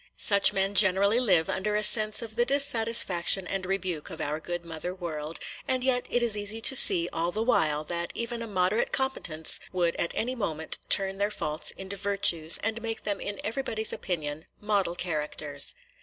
Such men generally live under a sense of the dissatisfaction and rebuke of our good mother world; and yet it is easy to see all the while that even a moderate competence would at any moment turn their faults into virtues, and make them in everybody's opinion model characters.